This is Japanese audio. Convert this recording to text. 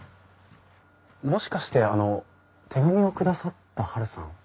もしかしてあの手紙を下さったはるさん？